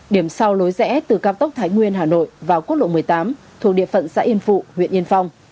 điểm sau lối rẽ từ cao tốc thái nguyên hà nội vào quốc lộ một mươi tám thuộc địa phận xã yên phụ huyện yên phong